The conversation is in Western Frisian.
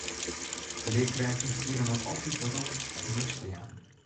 Learkrêften fiele noch altyd de rop om les te jaan.